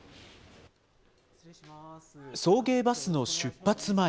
送迎バスの出発前。